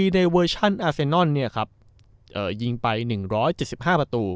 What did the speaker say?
ในเวอร์ชันเนี่ยครับเอ่อยิงไปหนึ่งร้อยเจ็ดสิบห้าประตู